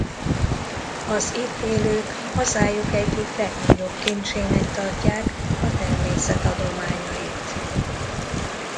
Az itt élők hazájuk egyik legnagyobb kincsének tartják a természet adományait.